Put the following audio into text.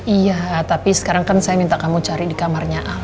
iya tapi sekarang kan saya minta kamu cari di kamarnya